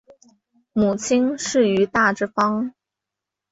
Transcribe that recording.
母亲是于大之方。